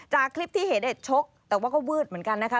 จากคลิปที่เห็นชกแต่ว่าก็วืดเหมือนกันนะคะ